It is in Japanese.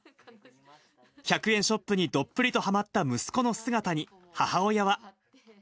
１００円ショップにどっぷりとはまった息子の姿に母親は。